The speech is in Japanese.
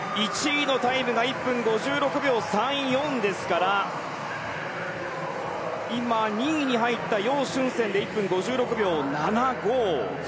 １位のタイムが１分５６秒３４ですから今、２位に入ったヨウ・シュンセンで１分５６秒７５。